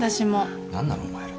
何なのお前ら。